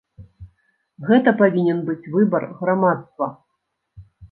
Гэта павінен быць выбар грамадства.